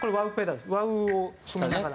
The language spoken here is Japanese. ワウを踏みながら。